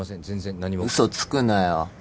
全然何も。嘘つくなよ。